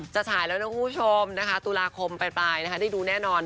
ฉายแล้วนะคุณผู้ชมนะคะตุลาคมปลายนะคะได้ดูแน่นอน